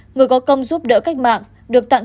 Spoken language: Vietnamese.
người có công giúp đỡ cách mạng